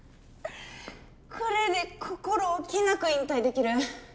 これで心おきなく引退できる。